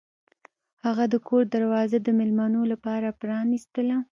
هغه د کور دروازه د میلمنو لپاره پرانیستله.